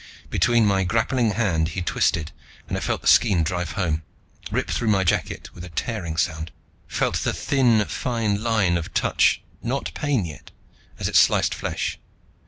Between my grappling hand he twisted and I felt the skean drive home, rip through my jacket with a tearing sound; felt the thin fine line of touch, not pain yet, as it sliced flesh.